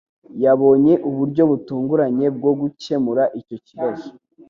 Yabonye uburyo butunguranye bwo gukemura icyo kibazo.